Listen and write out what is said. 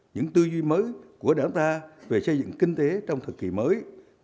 những tư duy mới của đảng ta về xây dựng kinh tế trong thời kỳ mới